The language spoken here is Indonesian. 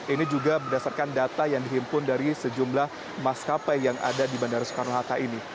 ini juga berdasarkan data yang dihimpun dari sejumlah maskapai yang ada di bandara soekarno hatta ini